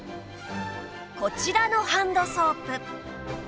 こちらのハンドソープ